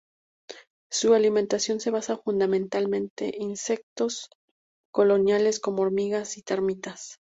Su alimentación se basa fundamentalmente insectos coloniales como hormigas y termitas.